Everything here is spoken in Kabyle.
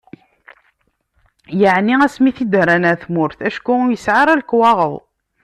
Yeɛni asmi i t-id-rran ɣer tmurt acku ur yesɛi ara lekwaɣeḍ.